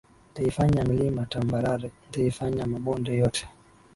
Nitaifanya milima tambarare Nitayafanya mabonde yote